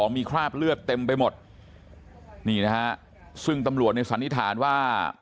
มีคราบเลือดเต็มไปหมดนี่นะฮะซึ่งตำรวจในสันนิษฐานว่า